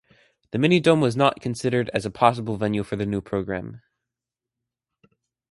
The Mini-Dome was not considered as a possible venue for the new program.